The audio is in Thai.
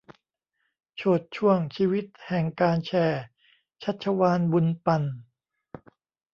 โชติช่วงชีวิตแห่งการแชร์ : ชัชวาล บุญปัน